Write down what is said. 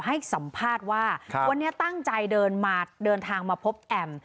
ให้สัมภาษณ์ว่าวันนี้ตั้งใจเดินทางมาพบแอม